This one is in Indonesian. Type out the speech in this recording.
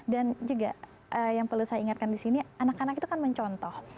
dan juga yang perlu saya ingatkan di sini anak anak itu kan mencontoh